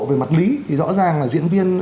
về mặt lý thì rõ ràng là diễn viên